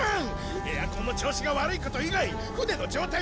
エアコンの調子が悪いこと以外船の状態は完璧です！